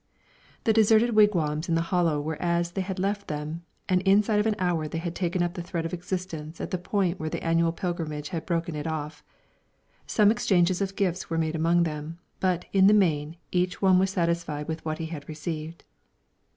The deserted wigwams in the hollow were as they had left them, and inside of an hour they had taken up the thread of existence at the point where the annual pilgrimage had broken it off. Some exchanges of gifts were made among them; but, in the main, each one was satisfied with what he had received.